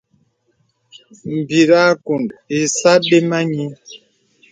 Mbir àkuŋ ìsə adəm anyì.